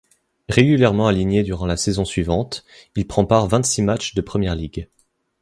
Régulièrement aligné durant la saison suivante, il prend part vingt-six matchs de Premier League.